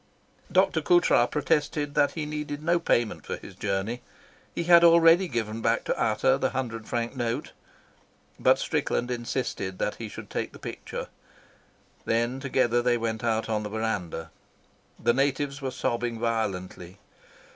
Dr. Coutras protested that he needed no payment for his journey; he had already given back to Ata the hundred franc note, but Strickland insisted that he should take the picture. Then together they went out on the verandah. The natives were sobbing violently.